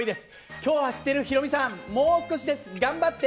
きょう走ってるヒロミさん、もう少しです、頑張って。